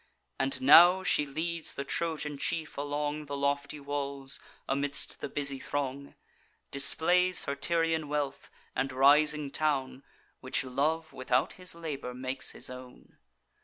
And now she leads the Trojan chief along The lofty walls, amidst the busy throng; Displays her Tyrian wealth, and rising town, Which love, without his labour, makes his own.